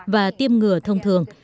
và tiêm ngừa thông thường